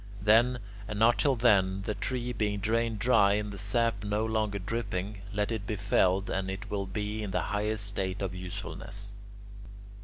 Then and not till then, the tree being drained dry and the sap no longer dripping, let it be felled and it will be in the highest state of usefulness.